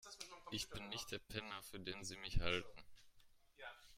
Ich bin nicht der Penner, für den Sie mich halten.